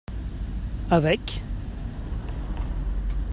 Avec.